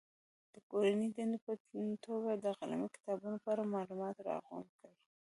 د کورنۍ دندې په توګه د قلمي کتابونو په اړه معلومات راغونډ کړي.